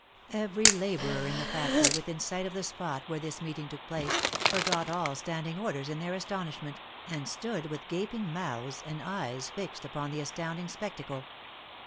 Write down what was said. Every labourer in the factory, within sight of the spot where this meeting took place, forgot all standing orders in their astonishment, and stood with gaping mouths and eyes fixed upon the astounding spectacle.